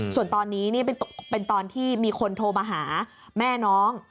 ส่วนตอนนี้นี่เป็นตอนที่มีคนโทรมาหาแม่น้อง